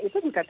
itu juga tppu